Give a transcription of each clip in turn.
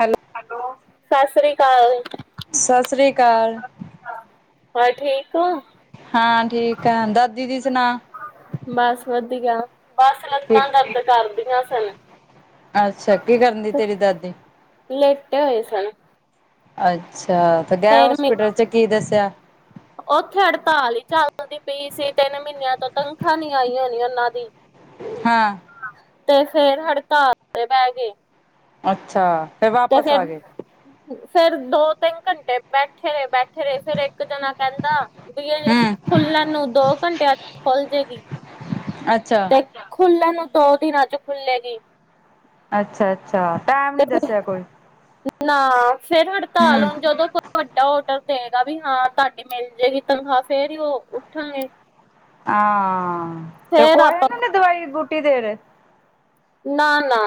Hello ਸਤਿ ਸ੍ਰੀ ਅਕਾਲ ਸਤਿ ਸ੍ਰੀ ਅਕਾਲ ਹੋਰ ਠੀਕ ਓ। ਹਾਂ ਠੀਕ ਆ। ਦਾਦੀ ਦੀ ਸੁਣਾ ਬਸ ਵਧੀਆ। ਬਸ ਠੀਕ ਲੱਤਾਂ ਦਰਦ ਕਰਦੀਆਂ ਸੀ। ਅੱਛਾ ਕੀ ਕਰਨ ਦੀ ਤੇਰੀ ਦਾਦੀ ਲੇਟੇ ਹੋਏ ਸਨ। ਅੱਛਾ। ਤੇ ਗੇ ਫੇਰ ਮ ਹੋਸਪਿਟਲ ਚ ਕੀ ਦੱਸਿਆ? ਉੱਥੇ ਹੜਤਾਲ ਹੀ ਚੱਲਦੀ ਪਈ ਸੀ ਤਿੰਨ ਮਹੀਨਿਆਂ ਤੋਂ ਤਨਖਾਹ ਨੀ ਆਈਆਂ ਨ ਉਹਨਾਂ ਦੀ ਹਾਂ ਤੇ ਫੇਰ ਹੜਤਾਲ ਬਹਿ ਗੇ। ਅੱਛਾ ਫਿਰ ਤੇ ਵਾਪਸ ਆ ਗਏ ਫਿਰਨ- ਫੇਰ ਦੋ-ਤਿੰਨ ਘੰਟੇ ਬੈਠੇ ਰਹੇ, ਬੈਠੇ ਰਹੇ, ਫੇਰ ਇੱਕ ਜਾਣਾ ਕਹਿੰਦਾ ਬੀ ਏ ਲੇ ਹਮ ਖੁੱਲਣ ਨੂੰ ਦੋ ਘੰਟਿਆਂ ਚ ਖੁੱਲ ਜਾਏਗੀ। ਅੱਛਾ ਖੁੱਲਣ ਨੂੰ ਦੋ ਦਿਨਾਂ ਚ ਖੁੱਲੇਗੀ। ਅੱਛਾ ਅੱਛਾ। ਟਾਈਮ ਨੀ ਤੇ ਦੱਸਿਆ ਕੋਈ? ਨਾ ਫਿਰ ਹੜਤਾਲ ਹਮ ਜਦੋਂ ਤੋਂ ਵੱਡਾ ਔਡਰ ਦੇਏਗਾ ਵੀ ਹਾਂ ਤੁਹਾਡੀ ਮਿਲ ਜਾਏਗੀ ਤਨਖਾਹ ਫਿਰ ਹੀ ਉਹ ਉੱਠਣਗੇ ਹਾਂ ਤੇ ਫੇਰ ਕੋ ਆਪਾਂ ਨੇ ਦਵਾਈ ਬੂਟੀ ਦੇ ਰੇ ਨਾ ਨਾ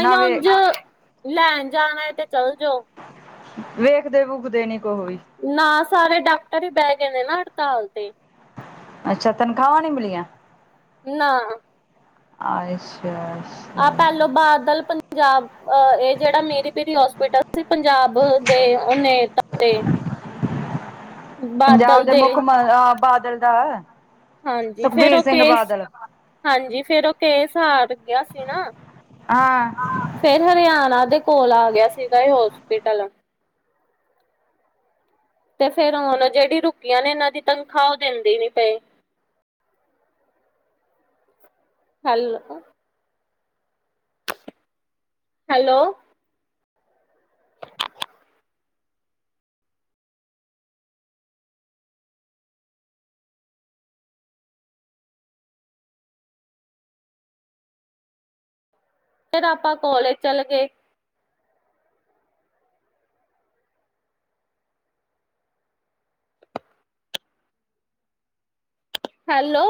ਨਾ ਵੇ ਉਝ ਲੈਣ ਜਾਣਾ ਤੇ ਚੱਲ ਜਾਓ ਵੇਖਦੇ ਵੁਖਦੇ ਨੀ ਕੁ ਵੀ ਨਾ ਸਾਰੇ ਡਾਕਟਰ ਹੀ ਬਹਿ ਗਏ ਨੇ ਨਾ ਹੜਤਾਲ ਤੇ ਅੱਛਾ ਤਨਖਾਹਾਂ ਨੀ ਮਿਲੀਆਂ ਨਾ ਅੱਛਾ ਆਹ ਅੱਛਾ ਪਹਿਲੋਂ ਬਾਦਲ ਪੰਜਾਬ ਇਹ ਜਿਹੜਾ ਮੇਰੀ ਪੀਰੀ ਹੋਸਪਿਟਲ ਅ ਪੰਜਾਬ ਦੇ ਉਹ ਤਤੇ ਪੰਜਾਬ ਦੇ ਮੁੱਖ ਬਾਦਲ ਦਾ ਹਾਂਜੀ ਫਿਰ ਸੁਖਬੀਰ ਉਹ ਸਿੰਘ ਕੇ ਬਾਦਲ ਹਾਂਜੀ ਫਿਰ ਉਹ ਕੇਸ ਹਾਰ ਗਿਆ ਸੀ ਨਾ ਹਾਂ ਫਿਰ ਹਰਿਆਣਾ ਦੇ ਕੋਲ ਆ ਗਿਆ ਸੀਗਾ ਇਹ ਹੋਸਪਿਟਲ ਤੇ ਫਿਰ ਹੁਣ ਜਿਹੜੀ ਰੁਕੀਆਂ ਨੇ ਇਹਨਾਂ ਦੀ ਤਨਖਾਹ ਉਹ ਦਿੰਦੀ ਨੀ ਪਏ ਹੈਲੋ ਹੈਲੋ ਫਿਰ ਆਪਾਂ ਕੋਾਲਜ ਚਲੇ ਗਏ ਹੈਲੋ